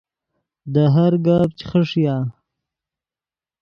دے ہر گپ چے خݰیا